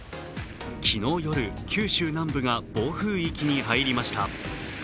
昨日夜、九州南部が暴風域に入りました。